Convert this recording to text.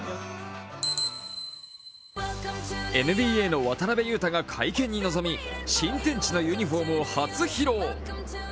ＮＢＡの渡邊雄太が会見に臨み、新天地のユニフォームを初披露。